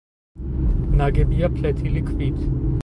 ნაგებია ფლეთილი ქვით.